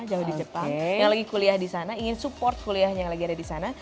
jauh di jepang yang lagi kuliah di sana ingin support kuliahnya yang lagi ada di sana